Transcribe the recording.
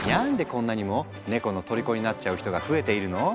こんなにもネコのとりこになっちゃう人が増えているの？